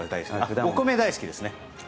お米大好きですね。